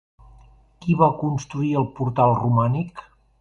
Qui va construir el portal romànic?